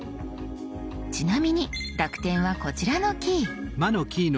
ちなみに濁点はこちらのキー。